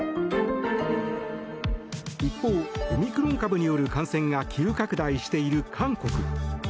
一方、オミクロン株による感染が急拡大している韓国。